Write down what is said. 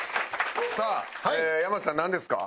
さあ山内さんなんですか？